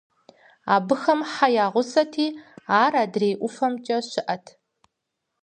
Абыхэм хьэ я гъусэти, ар адрей ӀуфэмкӀэ щыӀэт.